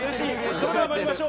それでは参りましょう。